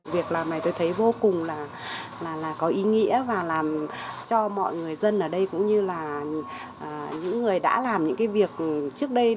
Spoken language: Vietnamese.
việc làm này tôi thấy vô cùng là có ý nghĩa và làm cho mọi người dân ở đây cũng như là những người đã làm những cái việc trước đây